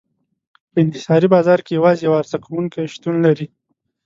په انحصاري بازار کې یوازې یو عرضه کوونکی شتون لري.